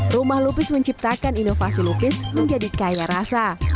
rumah lupis menciptakan inovasi lukis menjadi kaya rasa